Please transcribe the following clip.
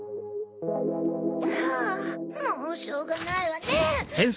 はぁもうしょうがないわね！